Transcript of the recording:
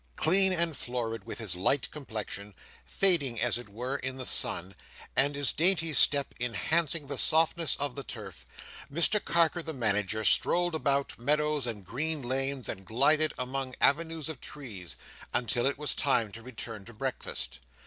Clean and florid: with his light complexion, fading as it were, in the sun, and his dainty step enhancing the softness of the turf: Mr Carker the Manager strolled about meadows, and green lanes, and glided among avenues of trees, until it was time to return to breakfast.